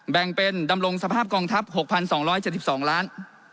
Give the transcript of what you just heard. แบ่งเป็นดำรงสภาพกองทัพ๖๒๗๒ล้าน